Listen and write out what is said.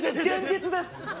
現実です。